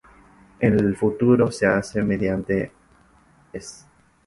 El futuro se hace mediante "-s-".